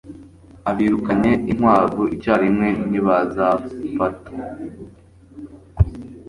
Abirukanye inkwavu icyarimwe ntibazafata.